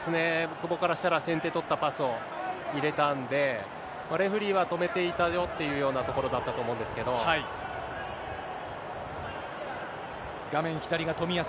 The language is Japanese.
久保からしたら先手取ったパスを入れたんで、レフェリーは止めていたよというところだったと思うんですけれど画面左が冨安。